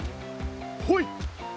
ほい。